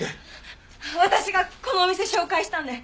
私がこのお店紹介したんで。